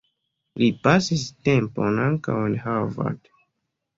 Li pasis tempon ankaŭ en Harvard.